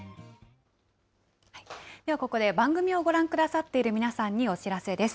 ではここで番組をご覧くださっている皆さんにお知らせです。